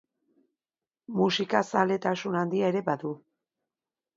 Musikazaletasun handia ere badu.